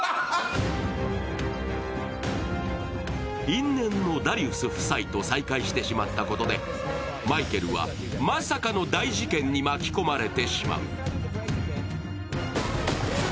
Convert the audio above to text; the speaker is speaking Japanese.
因縁のダリウス夫妻と再会してしまったことでマイケルは、まさかの大事件に巻き込まれてしまう。